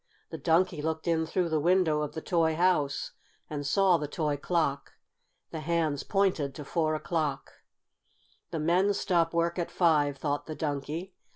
The Donkey looked in through the window of the toy house and saw the toy clock. The hands pointed to four o'clock. "The men stop work at five," thought the Donkey.